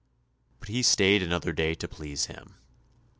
But he stayed another day to please him.